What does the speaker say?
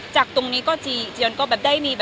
จากตรงนี้จียอนก็ได้มี